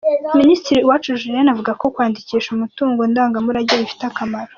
Minisitiri Uwacu Julienne avuga ko kwandikisha umutungo ndangamurage bifite akamaro.